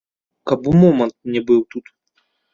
Каб у момант мне быў тут.